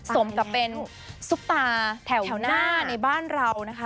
สมกับเป็นซุปตาแถวหน้าในบ้านเรานะคะ